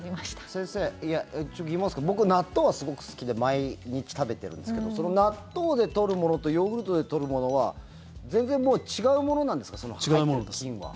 先生疑問があるんですけど僕、納豆がすごく好きで毎日食べてるんですけどその納豆で取るものとヨーグルトで取るものは全然もう違うものなんですか入っている菌は。